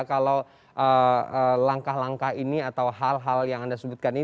kalau langkah langkah ini atau hal hal yang anda sebutkan ini